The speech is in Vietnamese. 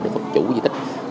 để phục chủ di tích